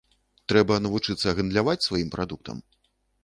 Трэба навучыцца гандляваць сваім прадуктам.